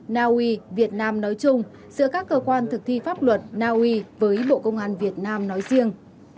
naui việt nam nói chung giữa các cơ quan thực thi pháp luật naui với bộ công an việt nam nói riêng